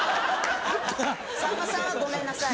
さんまさんはごめんなさい。